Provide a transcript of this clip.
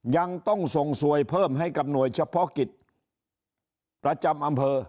ยังต้องส่งสวยเพิ่มให้กับหน่วยเฉพาะกิจประจำอำเภอ